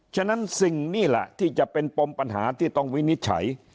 ฉะนั้นสิ่งนี่แหละที่จะเป็นปมปัญหาที่ต้องวินิจฉัย